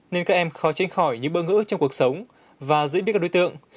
nên các em khó tránh khỏi những bơ ngữ trong cuộc sống và giữ biết các đối tượng